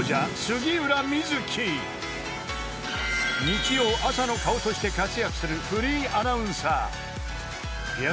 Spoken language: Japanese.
［日曜朝の顔として活躍するフリーアナウンサー］